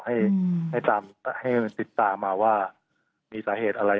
ให้ติดตามมาว่ามีสาเหตุอะไร